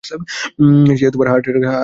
সে heart অ্যাটাকে মারা গেছে, মেল।